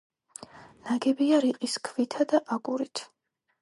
ნაგებია რიყის ქვითა და აგურით.